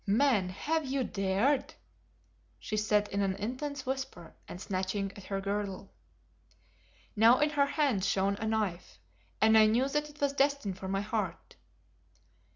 "Man, have you dared ?" she said in an intense whisper, and snatching at her girdle. Now in her hand shone a knife, and I knew that it was destined for my heart.